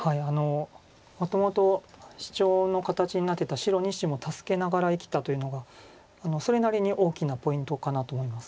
もともとシチョウの形になってた白２子も助けながら生きたというのがそれなりに大きなポイントかなと思います。